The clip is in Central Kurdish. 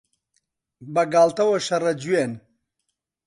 بەگاڵتەوە شەڕە جوێن